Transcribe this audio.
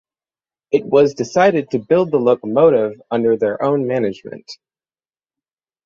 It was decided to build the locomotive under their own management.